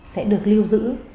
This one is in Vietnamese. sẽ được lưu giữ